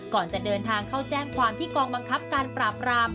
ก่อนจะเดินทางเข้าแจ้งความที่กองบังคับการปราบราม